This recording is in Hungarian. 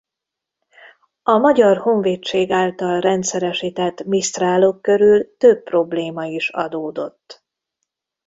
A Magyar Honvédség által rendszeresített Mistral-ok körül több probléma is adódott.